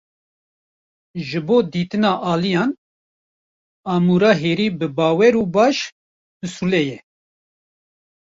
Ji bo dîtina aliyan, amûra herî bibawer û baş, pisûle ye.